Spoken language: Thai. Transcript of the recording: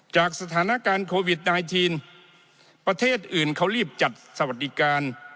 จากสถานการณ์โควิด๑๙ประเทศอื่นเขารีบจัดสวัสดิการ